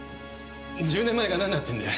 １０年前がなんだっていうんだよ。